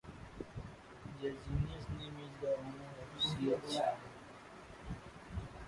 The genus name is in honour of Ch.